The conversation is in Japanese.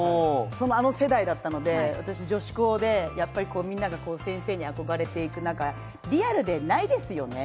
あの世代だったので、私、女子高でみんなが先生に憧れていく中、リアルで、ないですよね。